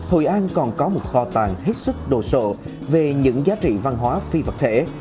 hội an còn có một kho tàng hết sức đồ sộ về những giá trị văn hóa phi vật thể